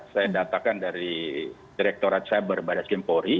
saya datakan dari direkturat cyber badai kepori